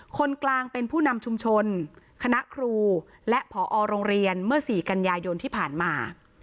คนกลางเป็นผู้นำชุมชนคณะครูและผอโรงเรียนเมื่อ๔กันยายนที่ผ่านมา